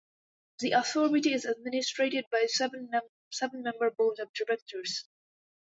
The Authority is administered by a seven-member Board of Directors.